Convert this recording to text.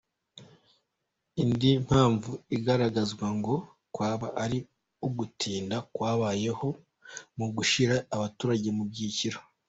Indi mpamvu igaragazwa ngo kwaba ari ugutinda kwabayeho mu gushyira abaturage mu byiciro.